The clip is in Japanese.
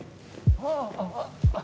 ああ！